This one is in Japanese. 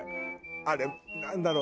あれなんだろう？